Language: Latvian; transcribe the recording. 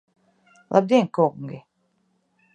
Labdien, kungi!